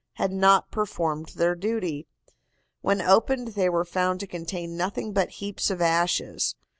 had not performed their duty. When opened they were found to contain nothing but heaps of ashes.